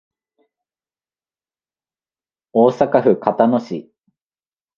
大阪府交野市